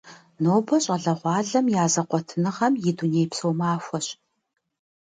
Нобэ щӏалэгъуалэм я зэкъуэтыныгъэм и дунейпсо махуэщ.